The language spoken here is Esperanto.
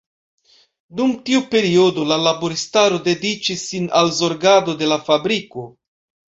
Dum tiu periodo, la laboristaro dediĉis sin al zorgado de la fabriko.